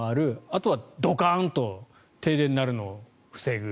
あとはドカンと停電になるのを防ぐ。